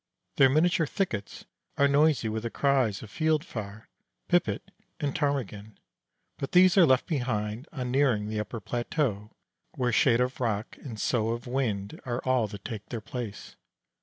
Their miniature thickets are noisy with the cries of Fieldfare, Pipit, and Ptarmigan, but these are left behind on nearing the upper plateau, where shade of rock and sough of wind are all that take their place.